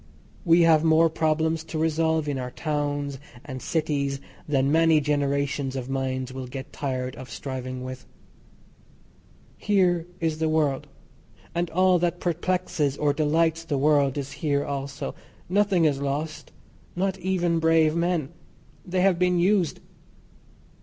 We have more problems to resolve in our towns and cities than many generations of minds will get tired of striving with. Here is the world, and all that perplexes or delights the world is here also. Nothing is lost. Not even brave men. They have been used.